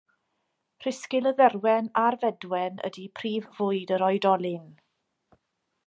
Rhisgl y dderwen a'r fedwen ydy prif fwyd yr oedolyn.